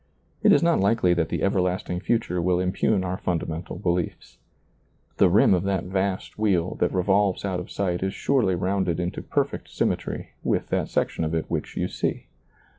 It is not likely that the ever lasting future will impugn our fundamental beliefs. The rim . of that vast wheel that re volves out of sight is surely rounded into perfect symmetry with that section of it which you see.